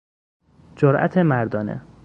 جرأت مردانه